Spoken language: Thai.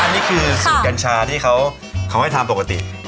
นี่คือสูตรกัญชาที่เขาไม่ทำปกติ